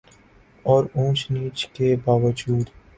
اور اونچ نیچ کے باوجود